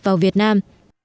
vào việt nam